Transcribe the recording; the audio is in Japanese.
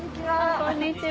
こんにちは。